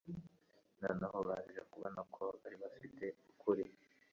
Noneho baje kubona ko bari bafite ukuri